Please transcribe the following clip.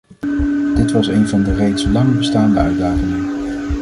Dit was een van de reeds lang bestaande uitdagingen.